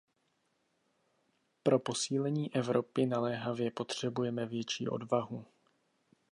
Pro posílení Evropy naléhavě potřebujeme větší odvahu.